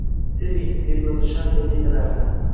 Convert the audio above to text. Seving, deb yozishar gazetalarda